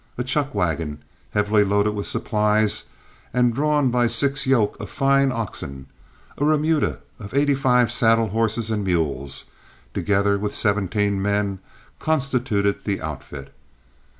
A chuck wagon, heavily loaded with supplies and drawn by six yoke of fine oxen, a remuda of eighty five saddle horses and mules, together with seventeen men, constituted the outfit.